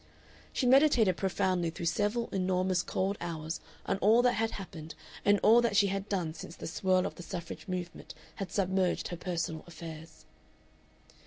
She meditated profoundly through several enormous cold hours on all that had happened and all that she had done since the swirl of the suffrage movement had submerged her personal affairs....